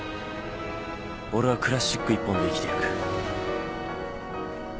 俺はクラシック１本で生きていく。